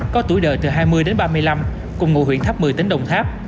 có tuổi đời từ hai mươi đến ba mươi năm cùng ngụ huyện tháp mười tỉnh đồng tháp